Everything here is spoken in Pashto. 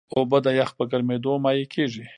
اوبه د یخ په ګرمیېدو مایع کېږي.